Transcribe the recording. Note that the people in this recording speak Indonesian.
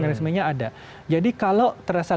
resminya ada jadi kalau terasa